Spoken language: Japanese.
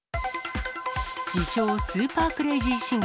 自称、スーパークレイジー市議。